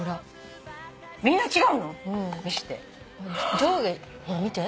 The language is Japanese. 上下見て。